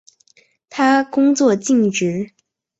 他工作尽职。